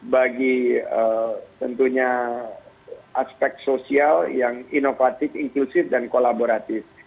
bagi tentunya aspek sosial yang inovatif inklusif dan kolaboratif